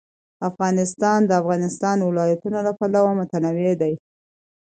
افغانستان د د افغانستان ولايتونه له پلوه متنوع دی.